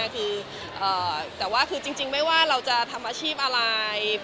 แต่ว่าคือจริงไม่ว่าเราจะทำอาชีพอะไร